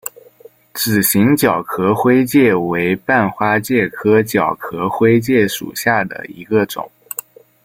指形角壳灰介为半花介科角壳灰介属下的一个种。